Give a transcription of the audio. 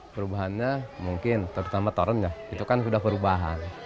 perubahannya mungkin terutama torunnya itu kan sudah perubahan